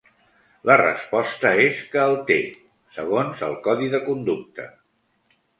La resposta és que el té, segons el codi de conducta.